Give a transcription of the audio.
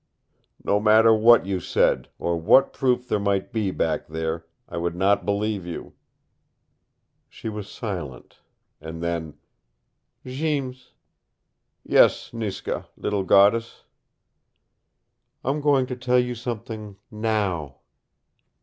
"No matter what you said, or what proof there might be back there, I would not believe you." She was silent. And then, "Jeems " "Yes, Niska, Little Goddess ?" "I'm going to tell you something now!"